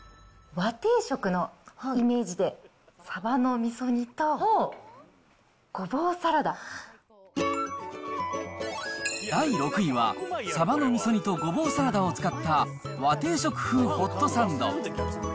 和定食のイメージで、第６位は、サバのみそ煮とゴボウサラダを使った、和定食風ホットサンド。